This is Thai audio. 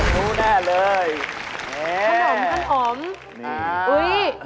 มานี่